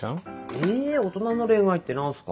え大人の恋愛って何すか。